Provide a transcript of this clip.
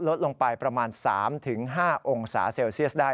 ลดลงไปประมาณ๓๕องศาเซลเซียสได้